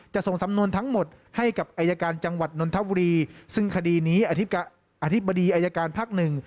ส่งสำนวนทั้งหมดให้กับอายการจังหวัดนนทบุรีซึ่งคดีนี้อธิบดีอายการภักดิ์หนึ่ง